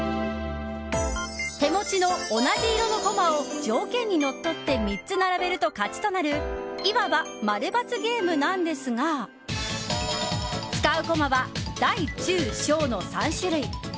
手持ちの同じ色のコマを条件にのっとって３つ並べると勝ちとなるいわば○×ゲームなんですが使うコマは大・中・小の３種類。